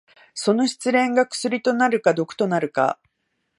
その失恋が薬となるか毒となるか。